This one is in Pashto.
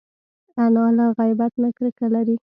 انا له غیبت نه کرکه لري